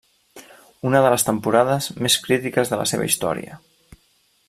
Una de les temporades més critiques de la seva història.